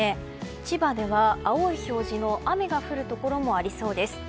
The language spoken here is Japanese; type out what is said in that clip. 千葉では、青い表示の雨が降るところもありそうです。